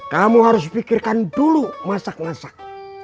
kamu harus pikirkan dulu masak masak